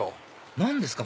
何ですか？